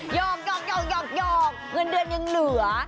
หยอกหยอกหยอกหยอกเงินเดือนยังเหลือ